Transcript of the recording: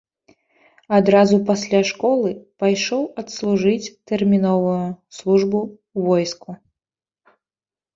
Адразу пасля школы пайшоў адслужыць тэрміновую службу ў войску.